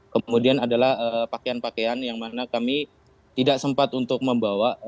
kemudian adalah pakaian pakaian yang mana kami tidak sempat untuk membawa